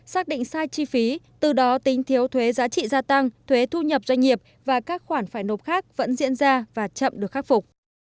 xác định sai chi phí từ đó tính thiếu thuế giá trị gia tăng thuế thu nhập doanh nghiệp và các khoản phải nộp khác vẫn diễn ra và chậm được khắc phục